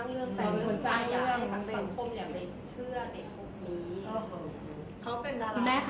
เรื่องนี้เหมือนเราเป็นคนสร้างเรื่องแต่งเรื่องขึ้นมาบอกว่าให้หยุดเถอะ